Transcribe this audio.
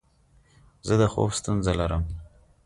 زه د خوب ستونزه لرم.